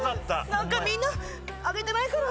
何かみんな挙げてないから。